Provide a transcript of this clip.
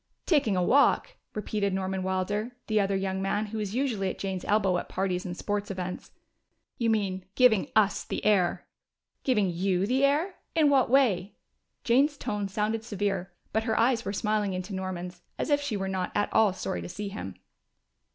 "Taking a walk!" repeated Norman Wilder, the other young man, who was usually at Jane's elbow at parties and sports affairs. "You mean giving us the air!" "Giving you the air? In what way?" Jane's tone sounded severe, but her eyes were smiling into Norman's, as if she were not at all sorry to see him.